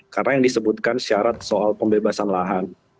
karena yang disebutkan syarat soal pembebasan lahan